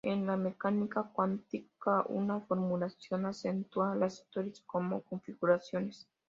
En la mecánica cuántica una formulación acentúa las historias como configuraciones.